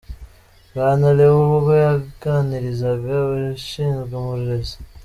Bwana Leo ubwo yaganirizaga abashinzwe uburenzi.